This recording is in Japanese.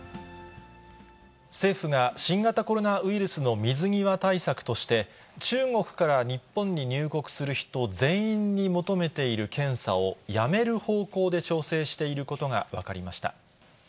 政府が新型コロナウイルスの水際対策として、中国から日本に入国する人全員に求めている検査を、やめる方向で調整していることが分かりました。